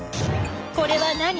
これは何？